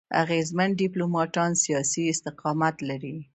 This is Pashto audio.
اغېزمن ډيپلوماټان سیاسي استقامت لري.